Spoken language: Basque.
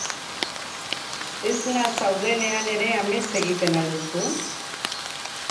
Esna zaudenean ere amets egiten al duzu?